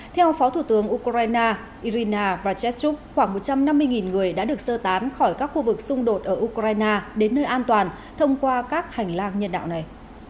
theo phó thủ tướng ukraine irina rajatchuk khoảng một trăm năm mươi người đã được sơ tán khỏi các khu vực xung đột ở ukraine đến nơi an toàn thông qua các hành lang nhân đạo này